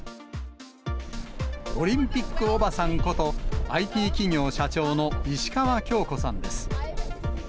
オリンピックおばさんこと、ＩＴ企業社長の石川恭子さんです。